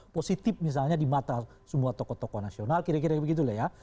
positif misalnya di mata semua tokoh tokoh nasional kira kira begitu lah ya